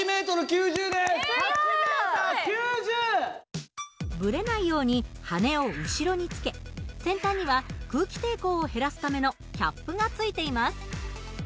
すごい！ブレないように羽根を後ろにつけ先端には空気抵抗を減らすためのキャップがついています。